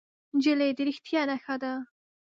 نجلۍ د رښتیا نښه ده.